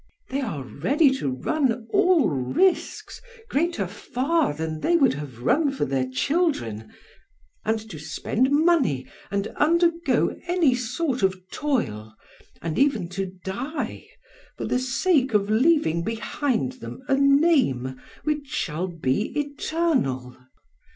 They are ready to run all risks greater far than they would have run for their children, and to spend money and undergo any sort of toil, and even to die, for the sake of leaving behind them a name which shall be eternal.